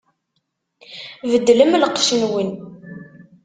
Beddlem lqecc-nwen!